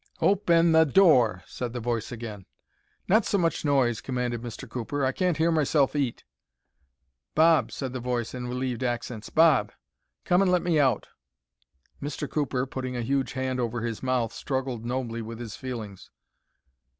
"O pen the door!" said the voice again. "Not so much noise," commanded Mr. Cooper. "I can't hear myself eat." "Bob!" said the voice, in relieved accents, "Bob! Come and let me out." Mr. Cooper, putting a huge hand over his mouth, struggled nobly with his feelings.